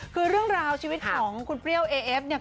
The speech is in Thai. คือเรื่องราวชีวิตของคุณเปรี้ยวเอเอฟเนี่ย